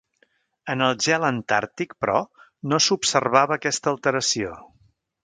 En el gel antàrtic, però, no s'observava aquesta alteració.